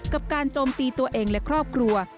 กับการโจมตีตัวเองและครอบครัว